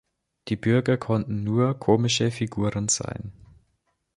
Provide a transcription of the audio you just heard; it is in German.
Die Bürger konnten nur komische Figuren sein.